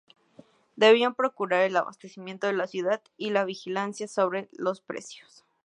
Debían procurar el abastecimiento de la ciudad y la vigilancia sobre los precios.